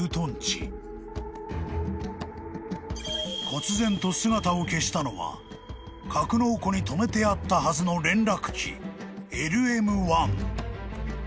［こつぜんと姿を消したのは格納庫にとめてあったはずの連絡機］